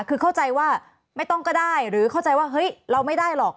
คือเข้าใจว่าไม่ต้องก็ได้หรือเข้าใจว่าเฮ้ยเราไม่ได้หรอก